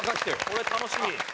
これ楽しみ。